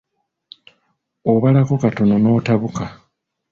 Obalako katono n’otabuka.